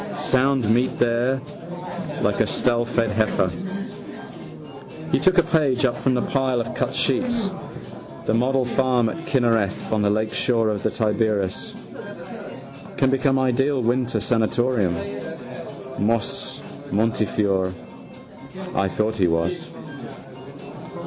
Sound meat there: like a stallfed heifer. He took a page up from the pile of cut sheets: the model farm at Kinnereth on the lakeshore of Tiberias. Can become ideal winter sanatorium. Moses Montefiore. I thought he was.